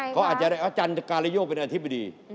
ยังไงคะอาจารย์การยกเป็นอธิบดี